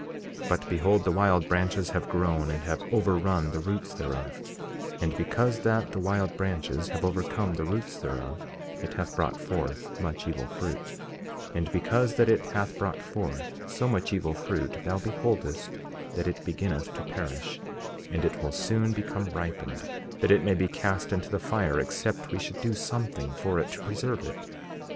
5:37 But behold, the wild branches have grown and have overrun the roots thereof; and because that the wild branches have overcome the roots thereof it hath brought forth much evil fruit; and because that it hath brought forth so much evil fruit thou beholdest that it beginneth to perish; and it will soon become ripened, that it may be cast into the fire, except we should do something for it to preserve it.